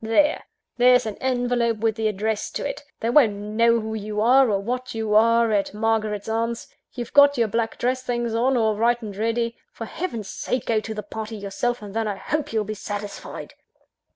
There! there's an envelope with the address to it they won't know who you are, or what you are, at Margaret's aunt's you've got your black dress things on, all right and ready for Heaven's sake, go to the party yourself, and then I hope you'll be satisfied!"